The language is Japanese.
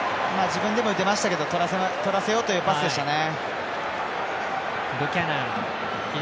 自分でも言ってましたけど取らせようというパスでしたね。